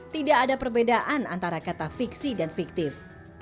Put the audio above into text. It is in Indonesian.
tidak ada perbedaan antara kata fiksi dan fiktif